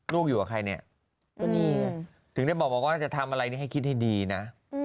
อยู่กับใครเนี่ยก็นี่ไงถึงได้บอกว่าจะทำอะไรนี่ให้คิดให้ดีนะ